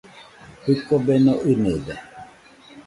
Jɨko beno ɨnɨde.